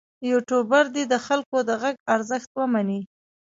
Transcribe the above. یوټوبر دې د خلکو د غږ ارزښت ومني.